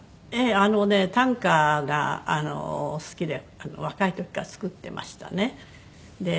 あのね短歌が好きで若い時から作ってましたね。